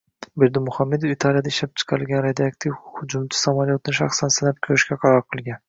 Berdimuhamedov Italiyada ishlab chiqarilgan reaktiv hujumchi samolyotni shaxsan sinab ko‘rishga qaror qilgan